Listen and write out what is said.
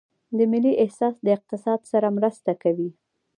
د ملي احساس له اقتصاد سره مرسته کوي؟